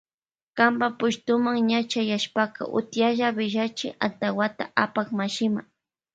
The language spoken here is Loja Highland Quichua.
Kanpa pushtuma ña chayashpaka utiyalla willachi antawata apak mashima.